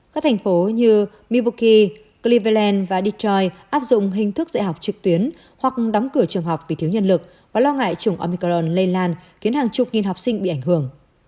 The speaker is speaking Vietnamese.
các thành phố như mivoki cleveland và detroit áp dụng hình thức dạy học trực tuyến hoặc đóng cửa trường học vì thiếu nhân lực và lo ngại trùng amicron lây lan khiến hàng chục nghìn học sinh bị ảnh hưởng